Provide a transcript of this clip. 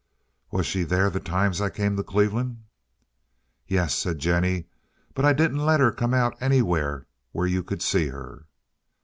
"Was she there the times I came to Cleveland?" "Yes," said Jennie; "but I didn't let her come out anywhere where you could see her."